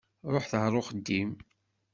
Ṛuḥet ɣer uxeddim.